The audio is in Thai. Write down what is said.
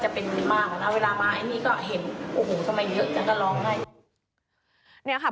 เอาเวลามาอันนี้ก็เห็นโอ้โหทำไมเยอะจังก็ร้องได้